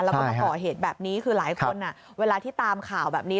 แล้วก็มาก่อเหตุแบบนี้คือหลายคนเวลาที่ตามข่าวแบบนี้